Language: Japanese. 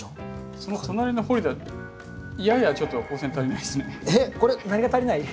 その隣のホリダややちょっと光線足りないですね。